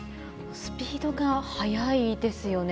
スピードが速いですよね。